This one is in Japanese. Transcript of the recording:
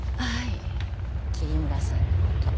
桐村さんのこと。